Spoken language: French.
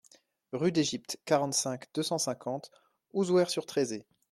Rue d'Égypte, quarante-cinq, deux cent cinquante Ouzouer-sur-Trézée